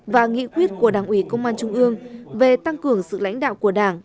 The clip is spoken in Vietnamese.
và nghị quyết của đảng ủy công an trung ương về tăng cường sự lãnh đạo của đảng